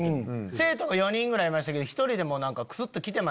生徒が４人ぐらいいましたけど１人でもクスっと来てました？